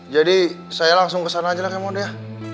jadi saya langsung ke sana aja lah kemot ya